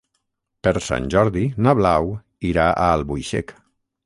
Per Sant Jordi na Blau irà a Albuixec.